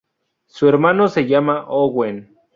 Su hermano se llama Owen.